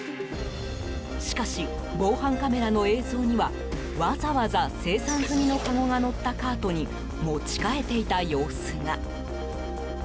しかし、防犯カメラの映像にはわざわざ清算済みのかごが乗ったカートに持ち替えていた様子が。